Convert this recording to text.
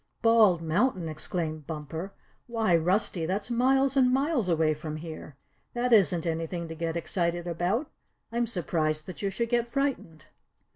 "Bald Mountain!" exclaimed Bumper. "Why, Rusty, that's miles and miles away from here. That isn't anything to get excited about. I'm surprised that you should get frightened."